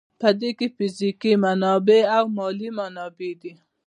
په دې کې فزیکي منابع او مالي منابع دي.